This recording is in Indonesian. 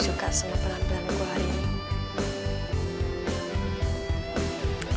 semoga aja mama nyamboy suka sema pelan pelan gua hari ini